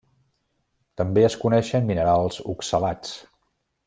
També es coneixen minerals oxalats.